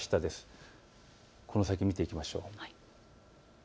この先を見てみましょう。